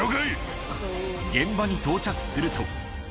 現場に到着すると。